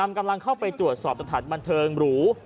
กำลังเข้าไปตรวจสอบสถานบันเทิงหรู